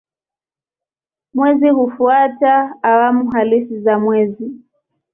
Mwezi hufuata awamu halisi za mwezi.